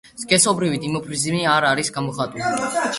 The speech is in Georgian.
სქესობრივი დიმორფიზმი არ არის გამოხატული.